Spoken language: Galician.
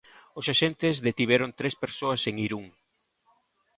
Os axentes detiveron tres persoas en Irún.